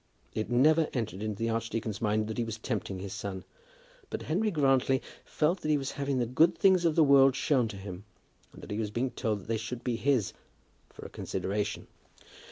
It never entered into the archdeacon's mind that he was tempting his son; but Henry Grantly felt that he was having the good things of the world shown to him, and that he was being told that they should be his for a consideration.